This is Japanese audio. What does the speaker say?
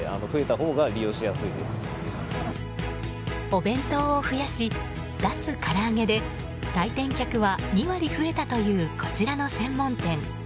お弁当を増やし脱から揚げで来店客は２割増えたというこちらの専門店。